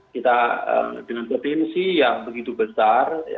kita dengan potensi yang begitu besar